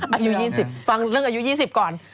อายุ๒๐ฟังเรื่องอายุ๒๐ก่อน